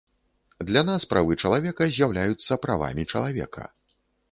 Для нас правы чалавека з'яўляюцца правамі чалавека.